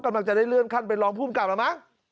กำลังจะได้เลื่อนขั้นเป็นรองภูมิกับแล้วมั้ง